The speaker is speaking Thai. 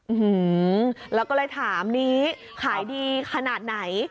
หือแล้วก็เลยถามนี้ขายดีขนาดไหน